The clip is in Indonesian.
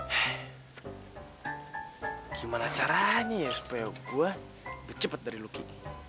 hei gimana caranya ya supaya gue gue cepet dari lucky